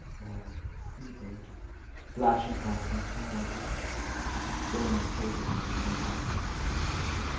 Oh! sea bird, flashing past on snow white wing, Bear my soul to her in thy wandering.